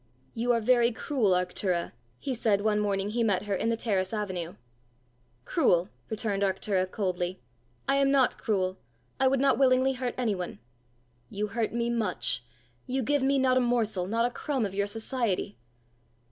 "You are very cruel, Arctura," he said one morning he met her in the terrace avenue. "Cruel?" returned Arctura coldly; "I am not cruel. I would not willingly hurt anyone." "You hurt me much; you give me not a morsel, not a crumb of your society!"